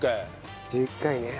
１１回ね。